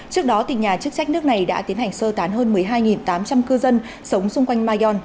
trước đó nhà chức trách nước này đã tiến hành sơ tán hơn một mươi hai tám trăm linh cư dân sống xung quanh mayon